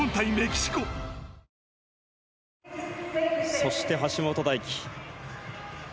そして、橋本大輝。